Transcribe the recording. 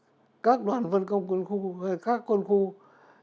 thế cho nên là các đoàn văn công quân khu các quân khu chiến sĩ văn nghệ là đâu cũng mời